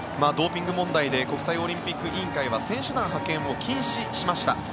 ドーピング問題で国際オリンピック委員会は選手団派遣を禁止しました。